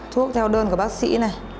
thuốc theo đơn của bác sĩ này